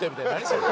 それ。